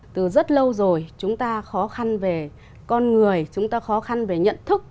từ rất lâu rồi chúng ta khó khăn về con người chúng ta khó khăn về nhận thức